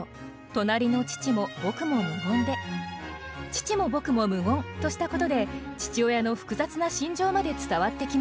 「父も僕も無言」としたことで父親の複雑な心情まで伝わってきます。